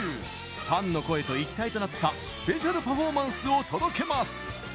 ファンの声と一体となったスペシャルパフォーマンスを届けます！